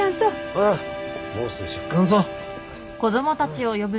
ほらもうすぐ出棺ぞ。